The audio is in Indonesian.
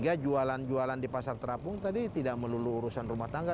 tapi juga untuk masyarakat di pasar terapung tadi tidak melulu urusan rumah tangga